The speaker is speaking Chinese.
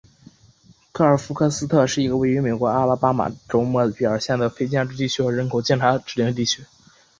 格尔夫克斯特是一个位于美国阿拉巴马州莫比尔县的非建制地区和人口普查指定地区。